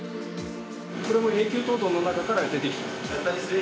これも永久凍土の中から出てきた？